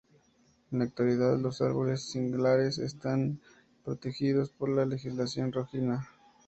En la actualidad, los árboles singulares están protegidos por la legislación riojana.